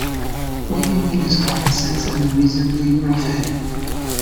What you need is common sense and a reasonably rough head.